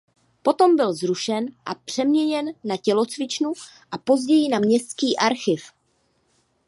Potom byl zrušen a přeměněn na tělocvičnu a později na městský archiv.